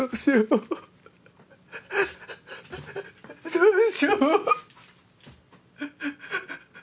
どうしよう！